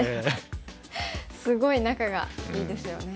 すごい仲がいいですよね。